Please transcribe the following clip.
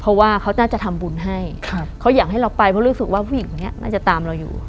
เพราะว่าเขาน่าจะทำบุญให้เขาอยากให้เราไปเพราะรู้สึกว่าผู้หญิงคนนี้น่าจะตามเราอยู่